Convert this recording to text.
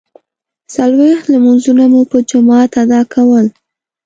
څلویښت لمانځونه مو په جماعت ادا کول.